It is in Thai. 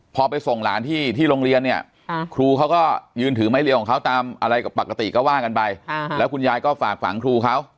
พอไปส่งหลานที่โรงเรียนเนี่ยครูเขาก็ยืนถือไม้เรียวของเขาตามอะไรปกติก็ว่ากันไปแล้วคุณยายก็ฝากฝังครูเขา